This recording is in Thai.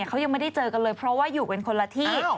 เขายังไม่ได้เจอกันเลยเพราะว่าอยู่กันคนละที่